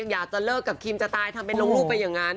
อยากจะเลิกกับคิมจะตายทำเป็นลงลูกไปอย่างนั้น